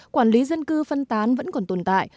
quản lý dân cư phân tán vẫn còn tồn tại